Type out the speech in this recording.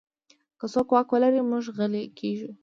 که څوک واک ولري، موږ غلی کېږو.